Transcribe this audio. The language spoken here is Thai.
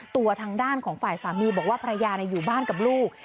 ตัวทางด้านของฝ่ายสามีบอกว่าภรรยาอยู่บ้านกับลูก